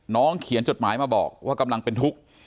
เขียนจดหมายมาบอกว่ากำลังเป็นทุกข์